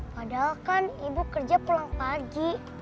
padahal kan ibu kerja pulang pagi